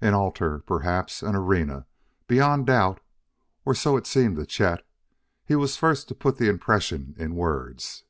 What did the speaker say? An altar, perhaps; an arena, beyond a doubt, or so it seemed to Chet. He was first to put the impression in words.